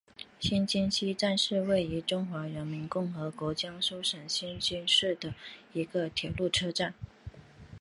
新沂西站是位于中华人民共和国江苏省新沂市的一个铁路车站。